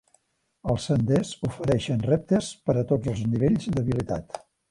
Els senders ofereixen reptes per a tots els nivells d'habilitat.